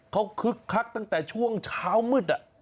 เขาคึกคักตั้งแต่ช่วงเช้ามืด